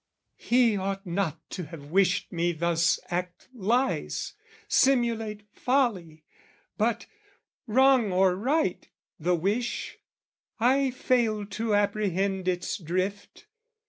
He ought not to have wished me thus act lies, Simulate folly, but, wrong or right, the wish, I failed to apprehend its drift.